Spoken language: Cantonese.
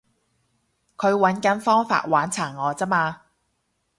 佢搵緊方法玩殘我咋嘛